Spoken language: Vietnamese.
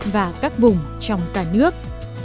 và các vùng trong cả nước